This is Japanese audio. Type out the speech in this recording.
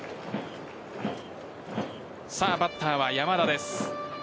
バッターは山田です。